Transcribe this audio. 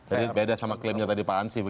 jadi beda dengan klaimnya tadi pak ansi